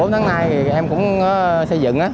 bốn tháng nay em cũng xây dựng